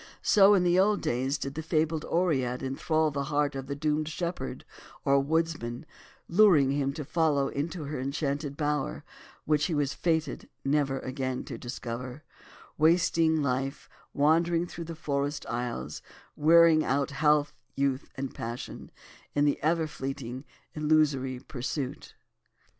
So, in old days did the fabled Oread enthrall the heart of the doomed shepherd or woodsman, luring him to follow into her enchanted bower, which he was fated never again to discover, wasting life wandering through the forest aisles, wearing out health, youth and passion, in the ever fleeting, illusory pursuit.